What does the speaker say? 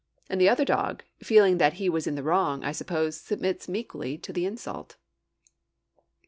And the other dog, feeling that he is in the wrong, I suppose, submits meekly to the insult.